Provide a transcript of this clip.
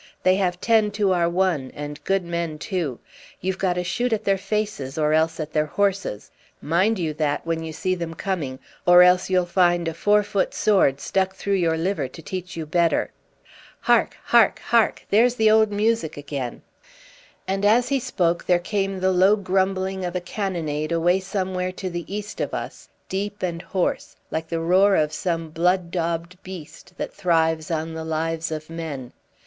They have ten to our one, and good men too. You've got to shoot at their faces or else at their horses. Mind you that when you see them coming, or else you'll find a four foot sword stuck through your liver to teach you better. Hark! Hark! Hark! There's the old music again!" And as he spoke there came the low grumbling of a cannonade away somewhere to the east of us, deep and hoarse, like the roar of some blood daubed beast that thrives on the lives of men.